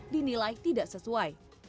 tapi tidak sesuai